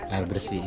air bersih ya